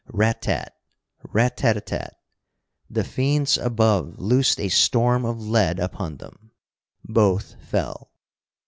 Rat tat! Rat tat a tat! The fiends above loosed a storm of lead upon them. Both fell.